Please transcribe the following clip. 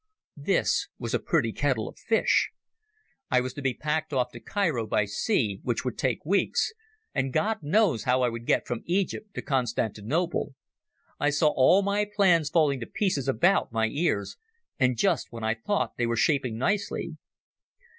This was a pretty kettle of fish. I was to be packed off to Cairo by sea, which would take weeks, and God knows how I would get from Egypt to Constantinople. I saw all my plans falling to pieces about my ears, and just when I thought they were shaping nicely.